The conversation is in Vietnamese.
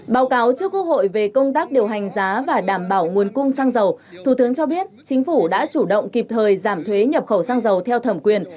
báo cáo trước quốc hội về công tác điều hành giá và đảm bảo nguồn cung xăng dầu thủ tướng cho biết chính phủ đã chủ động kịp thời giảm thuế nhập khẩu xăng dầu theo thẩm quyền